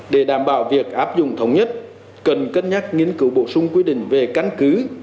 để đảm bảo việc áp dụng thống nhất cần cân nhắc nghiên cứu bổ sung quy định về căn cứ